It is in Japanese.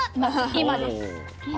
今です。